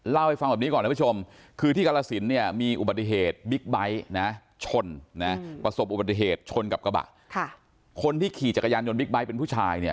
เล่าให้ฟังแบบนี้ก่อนนะครับผู้ชม